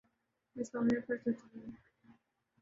میں اس معاملے پر سوچوں گا